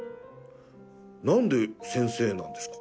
何で先生なんですか？